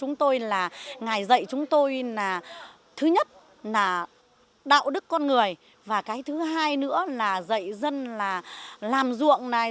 ngài dạy chúng tôi là thứ nhất là đạo đức con người và cái thứ hai nữa là dạy dân là làm ruộng này